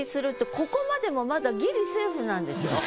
ここまでもまだギリセーフなんですよ。